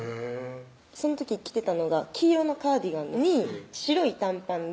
その時着てたのが黄色のカーディガンに白い短パンで